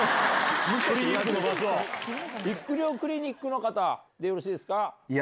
育良クリニックの方でよろしいですか？